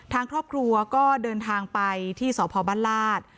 ทางครอบครัวก็เดินทางไปที่สพบัญราช